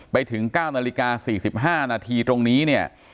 ไปถึง๙นาฬิกา๔๕นาทีตรงนี้เนี่ย